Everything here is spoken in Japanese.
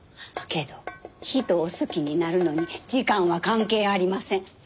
けど人を好きになるのに時間は関係ありません。